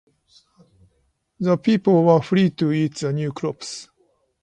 The people were free to eat the new crops.